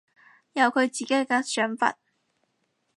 有佢自己嘅想法